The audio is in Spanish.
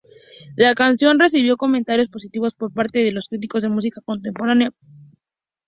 La canción recibió comentarios positivos por parte de los críticos de música contemporánea.